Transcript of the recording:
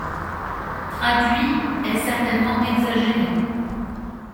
«Traduit» est certainement exagéré.